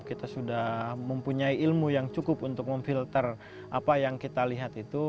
kita sudah mempunyai ilmu yang cukup untuk memfilter apa yang kita lihat itu